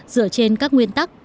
dựa trên các nguyên tắc